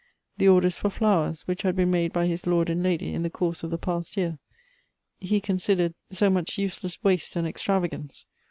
The orders for flowers which had been m.ade by his lord and lady in the course of the past year, he considered so much useless waste and extravagance.